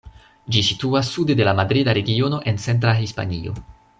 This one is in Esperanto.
Ĝi situas sude de la Madrida Regiono en centra Hispanio.